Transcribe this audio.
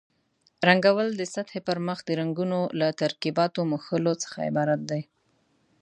رنګول د سطحې پر مخ د رنګونو له ترکیباتو مښلو څخه عبارت دي.